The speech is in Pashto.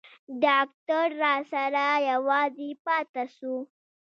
ډاکتر راسره يوازې پاته سو.